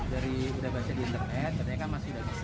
dari udah baca di internet ternyata masih udah bisa